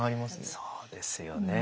そうですよね。